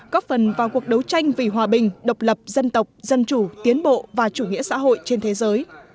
góp phần vào cuộc đấu tranh vì hòa bình độc lập dân tộc dân chủ tiến bộ và chủ nghĩa xã hội trên thế giới